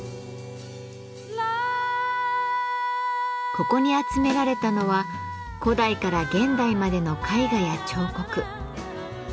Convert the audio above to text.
ここに集められたのは古代から現代までの絵画や彫刻。